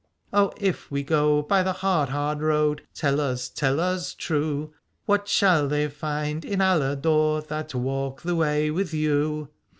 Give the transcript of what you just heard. O if we go by the hard hard road. Tell us, tell us true, What shall they find in Aladore That walk the way with you